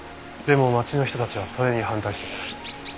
でも町の人たちはそれに反対してる。